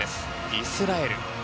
イスラエル。